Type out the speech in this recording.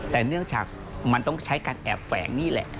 แต่เนื่องจากมันต้องใช้การแอบแฝงนี่แหละ